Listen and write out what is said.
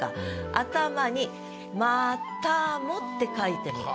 頭に「またも」って書いてみる。